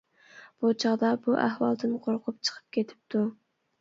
بۇ چاغدا بۇ ئەھۋالدىن قورقۇپ چىقىپ كېتىپتۇ.